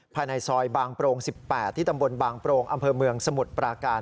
ภายในซอยบางโปรง๑๘ที่ตำบลบางโปรงอำเภอเมืองสมุทรปราการ